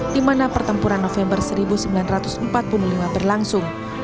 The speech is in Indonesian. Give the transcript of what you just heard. di mana pertempuran november seribu sembilan ratus empat puluh lima berlangsung